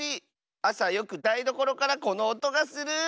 あさよくだいどころからこのおとがする！